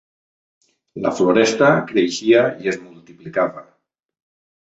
La floresta creixia i es multiplicava